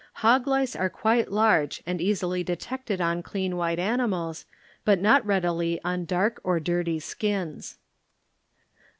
Hog lice are quite large and easily detected on clean white animals, but not readily on dark or dirty skins.